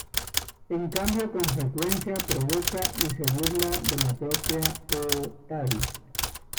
En cambio, con frecuencia provoca y se burla de la propia Hotaru.